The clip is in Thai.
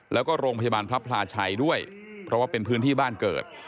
แล้วก็โรงพยาบาลพระพลาชัยด้วยเพราะว่าเป็นพื้นที่บ้านเกิด